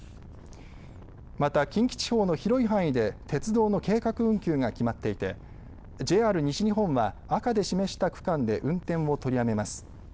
また、近畿地方の広い範囲で鉄道の計画運休が決まっていてＪＲ西日本は赤で示した区間で運転を取りやめます。